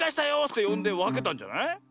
ってよんでわけたんじゃない？